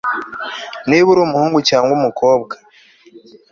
niba uri umuhungu cyangwa umukobwa